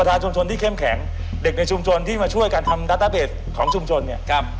สำคัญที่ทำให้ทั้งระบบมันสมบูรณ์ขึ้นหมดละครับผม